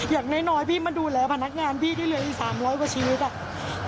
อย่างน้อยพี่มาดูแลพนักงานพี่ได้เหลืออีก๓๐๐กว่าชีวิตอ่ะ